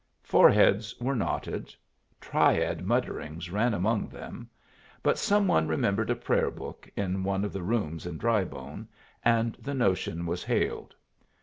Foreheads were knotted; triad mutterings ran among them; but some one remembered a prayer book in one of the rooms in Drybone, and the notion was hailed.